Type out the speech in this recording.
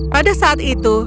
pada saat itu